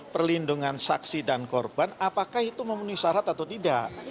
perlindungan saksi dan korban apakah itu memenuhi syarat atau tidak